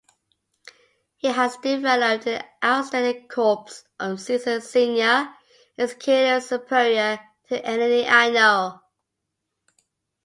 He has developed an outstanding corps of seasoned senior executives-superior to any I know.